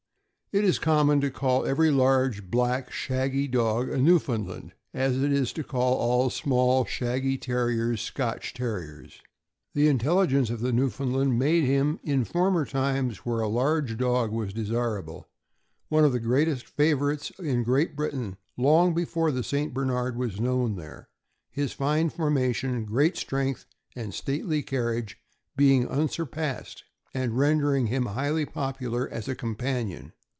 It is as common to call every large, black, shaggy dog a Newfoundland as it is to call all small, shaggy Terriers Scotch Terriers. The intelligence of the Newfoundland made him, in former times, where a large dog was desirable, one of the greatest of favorites in Great Britain long before the St. Bernard was known there— his fine formation, great strength, and stately carriage being unsurpassed, and rendering him highly popular as a companion.